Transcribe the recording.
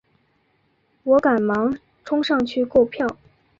我赶忙冲上去购票